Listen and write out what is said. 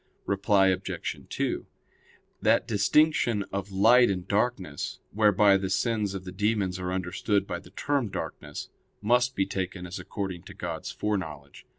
Reply Obj. 2: That distinction of light and darkness, whereby the sins of the demons are understood by the term darkness, must be taken as according to God's foreknowledge.